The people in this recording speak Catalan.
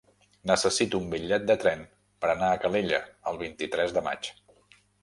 Necessito un bitllet de tren per anar a Calella el vint-i-tres de maig.